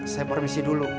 saya permisi dulu